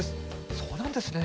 そうなんですね。